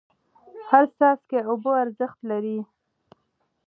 هر څاڅکی اوبه ارزښت لري.